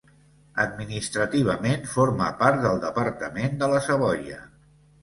Administrativament forma part del departament de la Savoia.